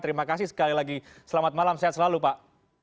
terima kasih sekali lagi selamat malam sehat selalu pak